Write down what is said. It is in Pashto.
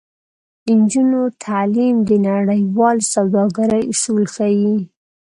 د نجونو تعلیم د نړیوال سوداګرۍ اصول ښيي.